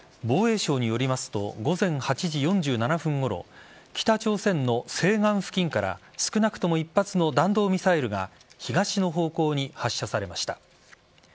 防衛省によりますと午前８時４７分ごろ北朝鮮の西岸付近から少なくとも１発の弾道ミサイルが東の方向に発射されました。